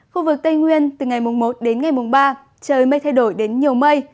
khu vực tây nguyên từ ngày một đến ngày ba trời mây thay đổi đến nhiều mây